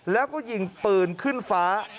แล้วก็ยิงปืนขึ้นฟ้า